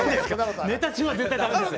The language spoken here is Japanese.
ネタ中は絶対ダメです。